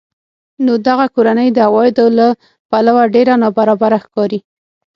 نو دغه کورنۍ د عوایدو له پلوه ډېره نابرابره ښکاري